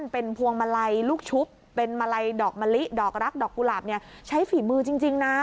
เป็นพวงมาลัยลูกชุบเป็นมาลัยดอกมะลิดอกรักดอกกุหลาบเนี่ยใช้ฝีมือจริงนะ